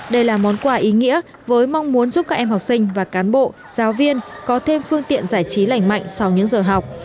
đây là món quà ý nghĩa với mong muốn giúp các em học sinh và cán bộ giáo viên có thêm phương tiện giải trí lành mạnh sau những giờ học